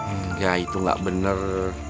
enggak itu gak bener